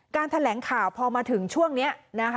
แถลงข่าวพอมาถึงช่วงนี้